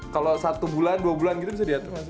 kalau satu bulan dua bulan gitu bisa diatur